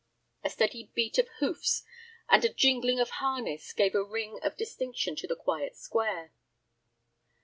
A steady beat of hoofs and a jingling of harness gave a ring of distinction to the quiet square.